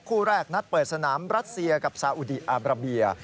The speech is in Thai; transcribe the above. คู่แรกนัดเปิดสนามรัสเซียกับซาอุดีอาบราเบีย